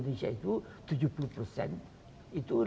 dia berusia dua belas tahun